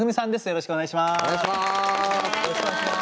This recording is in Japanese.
よろしくお願いします。